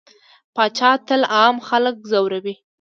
پاچا تل عام خلک ځوروي.